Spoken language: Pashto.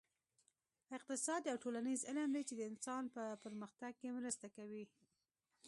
اقتصاد یو ټولنیز علم دی چې د انسان په پرمختګ کې مرسته کوي